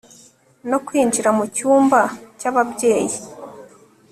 no kwinjira mucyumba cyababyeyi